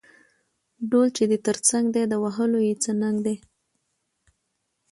ـ ډول چې دې تر څنګ دى د وهلو يې څه ننګ دى.